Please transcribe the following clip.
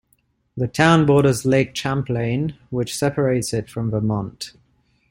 The town borders Lake Champlain, which separates it from Vermont.